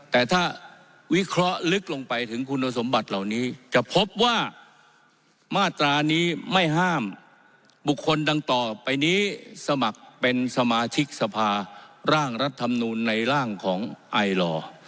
แต่ถ้าวิเคราะห์ลึกลงไปถึงคุณสมบัติเหล่านี้จะพบว่ามาตรานี้ไม่ห้ามบุคคลดังต่อไปนี้สมัครเป็นสมาชิกสภาร่างรัฐธรรมนูลในร่างของไอลอ